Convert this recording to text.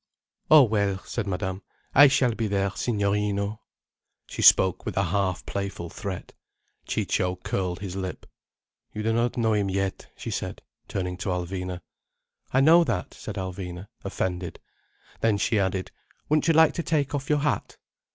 "Oh well," said Madame. "I shall be there, Signorino." She spoke with a half playful threat. Ciccio curled his lip. "You do not know him yet," she said, turning to Alvina. "I know that," said Alvina, offended. Then she added: "Wouldn't you like to take off your hat?"